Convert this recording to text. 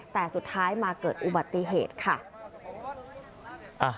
แต่สุดท้ายมาเกิดอุบัติเหตุค่ะ